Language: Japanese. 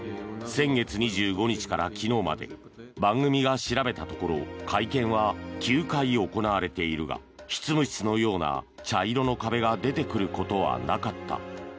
先月２５日から昨日まで番組が調べたところ会見は９回行われているが執務室のような茶色の壁が出てくることはなかった。